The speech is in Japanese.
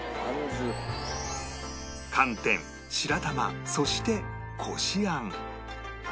寒天白玉そしてこしあん